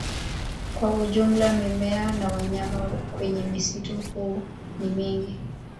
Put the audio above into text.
Kwa ujumla mimea na wanyama kwenye msitu huu ni mingi